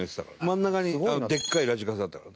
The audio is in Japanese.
真ん中にでっかいラジカセあったから。